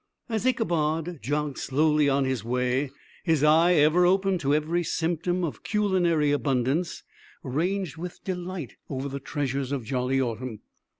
As Ichabod jogged slowly on his way, his eye, ever open to every symptom of culinary abundance, ranged with delight over the treasures of jolly autumn.